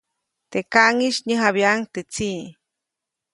Te kaʼŋis nyäjabyaʼuŋ teʼ tsiʼ.